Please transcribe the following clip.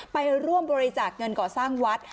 ไปร่วมบริจาคเงินก่อสร้างวัด